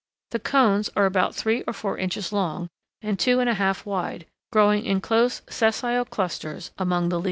The cones are about three or four inches long, and two and a half wide, growing in close, sessile clusters among the leaves.